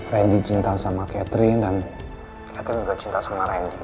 randy cinta sama catering dan catin juga cinta sama randy